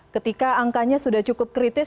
ketika angkanya sudah cukup kritis